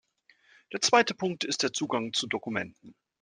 Der zweite Punkt ist der Zugang zu Dokumenten.